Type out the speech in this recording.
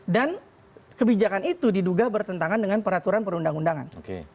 dan kebijakan itu diduga bertentangan dengan peraturan perundang undangan